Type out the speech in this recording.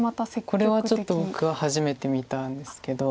これはちょっと僕は初めて見たんですけど。